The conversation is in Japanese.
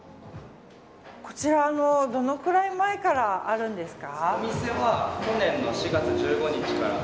こちら、どのくらい前からあるんですか。